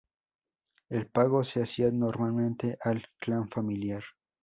El pago se hacía normalmente al clan familiar.